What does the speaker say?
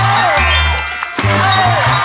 ไปเร็ว